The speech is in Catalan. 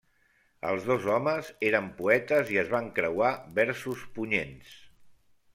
Els dos homes eren poetes i es van creuar versos punyents.